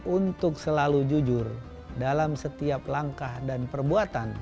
untuk selalu jujur dalam setiap langkah dan perbuatan